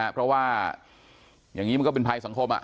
เพราะว่าอย่างนี้มันก็เป็นภัยสังคม